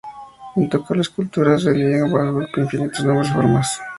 Incontables culturas le rendían culto bajo infinitos nombres y formas.